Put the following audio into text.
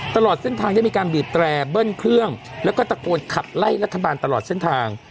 ตลอดเส้นทางได้มีการบีบแตรเบิ้ลเครื่องแล้วก็ตะโกนขับไล่รัฐบาลตลอดเส้นทาง